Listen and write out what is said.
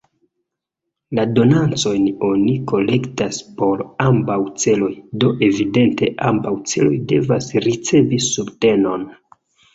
La donacojn oni kolektas por ambaŭ celoj, do evidente ambaŭ celoj devas ricevi subtenon.